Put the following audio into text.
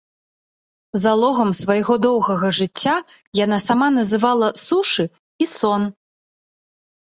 Залогам свайго доўгага жыцця яна сама называла сушы і сон.